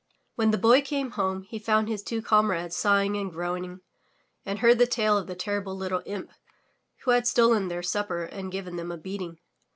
When the Boy came home he found his two comrades sighing and groaning, and heard the tale of the terrible little imp who had stolen their supper and given them a beating.